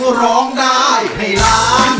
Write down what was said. มาร้องได้ให้รัก